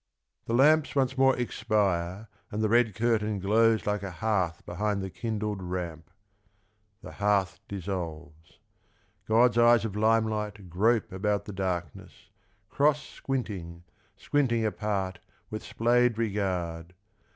The lamps once more expire and the red curtain Glows like a hearth behind the kindled ramp. The hearth dissolves. God's eyes of hmelight grope about the darkness, Cross squinting, squinting apart with splayed regard.